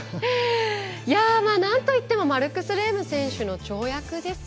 なんといってもマルクス・レーム選手の跳躍です。